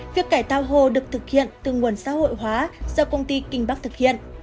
việc cải tạo hồ được thực hiện từ nguồn xã hội hóa do công ty kinh bắc thực hiện